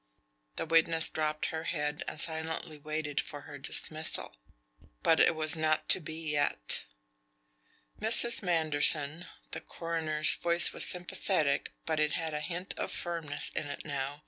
The witness dropped her head and silently waited for her dismissal. But it was not to be yet. "Mrs. Manderson." The coroner's voice was sympathetic, but it had a hint of firmness in it now.